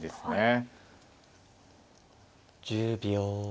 １０秒。